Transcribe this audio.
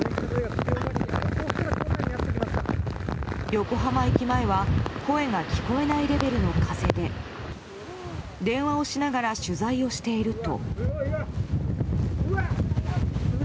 横浜駅前は声が聞こえないレベルの風で電話をしながら取材をしていると。